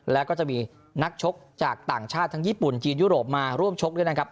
แล้วก็จะมีนักชกจากต่างชาติทั้งญี่ปุ่นจีนยุโรปมาร่วมชกด้วยนะครับ